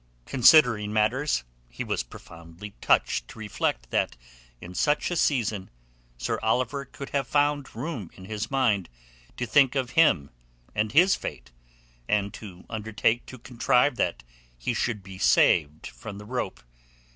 Considering matters he was profoundly touched to reflect that in such a season Sir Oliver could have found room in his mind to think of him and his fate and to undertake to contrive that he should be saved from the rope.